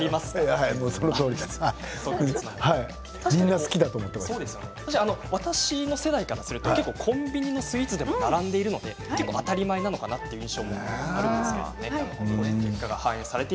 我々私の世代からするとコンビニのスイーツでも並んでいるので当たり前なのかなという印象を持ちました。